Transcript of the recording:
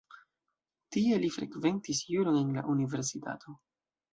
Tie li frekventis juron en la universitato.